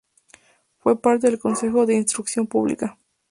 Fue parte del consejo de instrucción pública.